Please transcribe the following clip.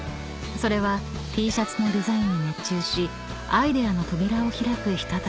［それはＴシャツのデザインに熱中しアイデアの扉を開くひととき］